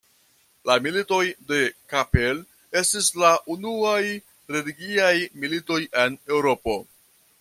La Militoj de Kappel estis la unuaj religiaj militoj en Eŭropo.